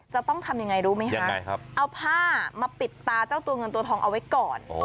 จะต้องทำยังไงรู้ไหมคะเอาผ้ามาปิดตาเจ้าตัวเงินตัวทองเอาไว้ก่อน